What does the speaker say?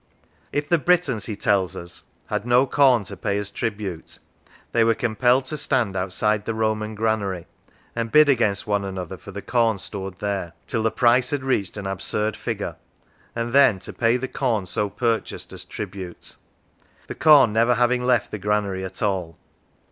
If the Britons, he tells us, had no corn to pay as tribute, they were compelled to stand outside the Roman granary and bid against one another for the corn stored there, till the price had reached an absurd figure, and then to pay the corn so purchased as tribute, the corn never having left the granary at all.